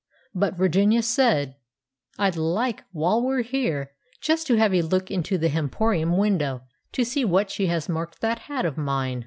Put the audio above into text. But Virginia said— "I'd like, while we're here, just to have a look into the hemporium window, to see what she has marked that hat of mine."